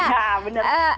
dan aku sampai berantem